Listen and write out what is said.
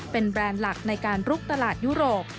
เป็นแบรนด์หลักในการลุกตลาดยุโรป